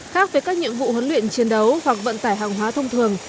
khác với các nhiệm vụ huấn luyện chiến đấu hoặc vận tải hàng hóa thông thường